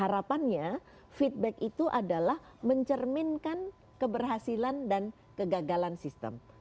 harapannya feedback itu adalah mencerminkan keberhasilan dan kegagalan sistem